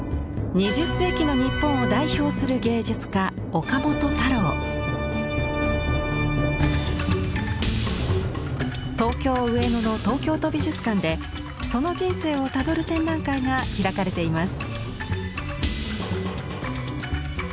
２０世紀の日本を代表する芸術家東京上野の東京都美術館でその人生をたどる展覧会が開かれています。